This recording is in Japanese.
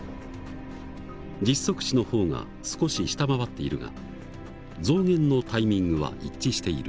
実測値の方が少し下回っているが増減のタイミングは一致している。